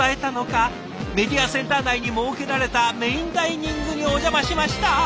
メディアセンター内に設けられたメインダイニングにお邪魔しました。